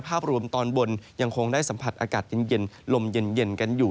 ภาพรวมตอนบนยังคงได้สัมผัสอากาศเย็นลมเย็นกันอยู่